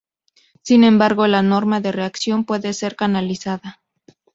Sin embargo, la norma de reacción puede ser canalizada.